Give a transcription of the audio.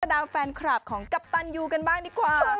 ดาแฟนคลับของกัปตันยูกันบ้างดีกว่า